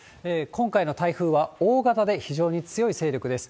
今回の台風は大型で非常に強い勢力です。